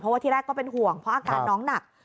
เพราะว่าที่แรกก็เป็นห่วงเพราะอาการน้องหนัก